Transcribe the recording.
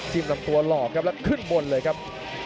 ลำตัวหลอกครับแล้วขึ้นบนเลยครับ